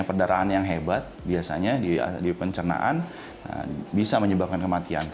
jadi pencernaan yang hebat biasanya di pencernaan bisa menyebabkan kematian